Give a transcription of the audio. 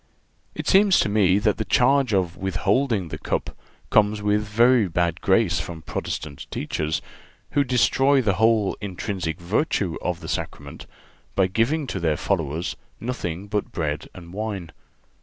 It seems to me that the charge of withholding the cup comes with very bad grace from Protestant teachers, who destroy the whole intrinsic virtue of the Sacrament by giving to their followers nothing but bread and wine.